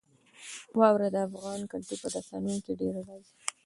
واوره د افغان کلتور په داستانونو کې ډېره راځي.